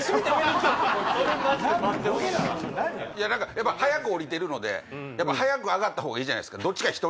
やっぱ早く降りてるのでやっぱ早く上がったほうがいいじゃないですか。